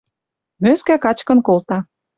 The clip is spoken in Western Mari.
Мӧскӓ качкын колта.